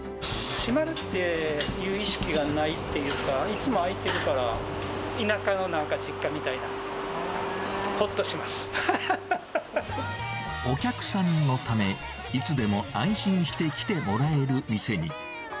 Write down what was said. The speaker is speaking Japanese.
閉まるっていう意識がないっていうか、いつも開いてるから、田舎のなんか実家みたいな、お客さんのため、いつでも安心して来てもらえる店に。